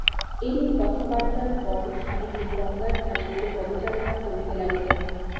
এইরূপ কথাবার্তার পর স্বামীজী গঙ্গার ধারে একটু পদচারণা করিতে লাগিলেন।